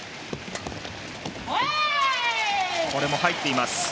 これも入っています。